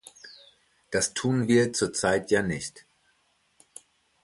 Das tun wir zurzeit ja nicht.